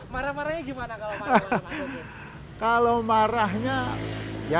marah marahnya gimana kalau marah marahnya